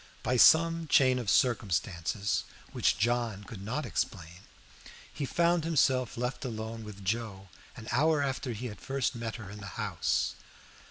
By some chain of circumstances which John could not explain, he found himself left alone with Joe an hour after he had first met her in the house.